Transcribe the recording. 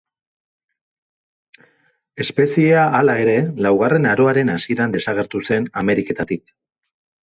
Espeziea, hala ere, Laugarren aroaren hasieran desagertu zen Ameriketatik.